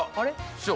師匠。